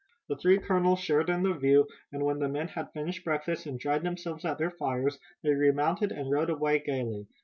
The three colonels shared in the view, and when the men had finished breakfast and dried themselves at their fires they remounted and rode away gaily.